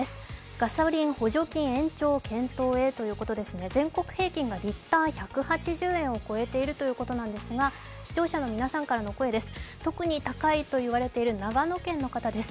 ガソリン補助金延長検討へということで全国平均がリッター１８０円を超えているということなんですが、視聴者の皆さんからの声です。